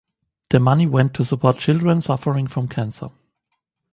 The money went to support children suffering from cancer.